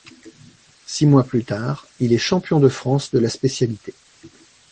Six mois plus tard, il est champion de France de la spécialité.